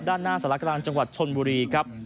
ด้านหน้าสารกลางจังหวัดชนบุรีครับ